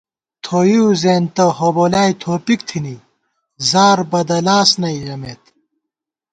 تھیَؤ زېنتہ ہوبولائے تھوپِک تھنی، زار بدَلاس نئ ژمېت